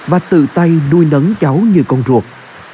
và tự tay nuôi nấn cháu như con ruột